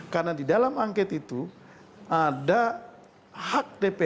karena di dalam angket itu ada hak dpr untuk memanggil pilihan